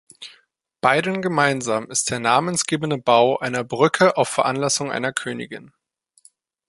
Beiden gemeinsam ist der namensgebende Bau einer Brücke auf Veranlassung einer Königin.